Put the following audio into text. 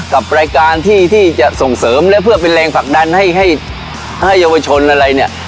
กับรายการที่ที่จะส่งเสริมและเพื่อเป็นแรงผลักดันให้เยาวชนอะไรเนี่ย